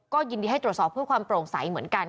ก็ยินดีให้ตรวจสอบเพื่อความโปร่งใสเหมือนกัน